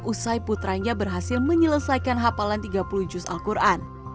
usai putranya berhasil menyelesaikan hafalan tiga puluh juz al quran